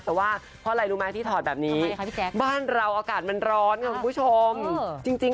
แต่ว่าพอล่ายรู้ไหมที่ถอดแบบนี้